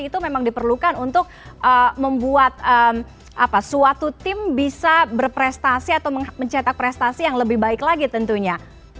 itu memang diperlukan untuk membuat suatu tim bisa berprestasi atau mencetak prestasi yang lebih baik lagi tentunya